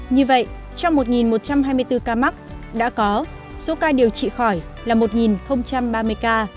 như vậy trong một một trăm hai mươi bốn ca mắc đã có số ca điều trị khỏi là một ba mươi ca